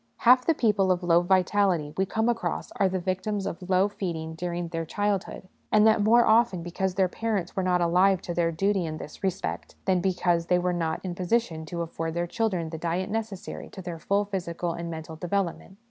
Half the people of low vitality we come across are the victims of low feeding during their childhood ; and that more 26 HOME EDUCATION often because their parents were not alive to their duty in this respect, than because they were not in a position to afford their children the diet necessary to their full physical and mental development.